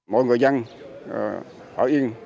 mọi người dân ở yên